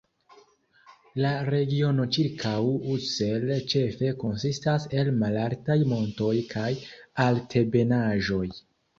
La regiono ĉirkaŭ Ussel ĉefe konsistas el malaltaj montoj kaj altebenaĵoj.